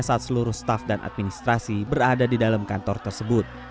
saat seluruh staff dan administrasi berada di dalam kantor tersebut